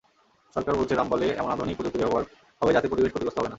সরকার বলছে, রামপালে এমন আধুনিক প্রযুক্তি ব্যবহার হবে যাতে পরিবেশ ক্ষতিগ্রস্ত হবে না।